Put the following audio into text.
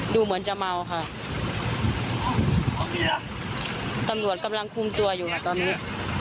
ดูเหมือนจะเมาค่ะตำรวจกำลังคุมตัวอยู่ค่ะตอนนี้